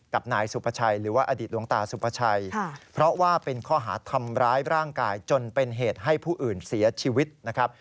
กับนายสุภาชัยหรือว่าอดีตหลวงตาสุภาชัยเพราะว่าเป็นข้อหาทำร้ายร่างกายจนเป็นเหตุให้ผู้อื่นเสียชีวิตนะครับ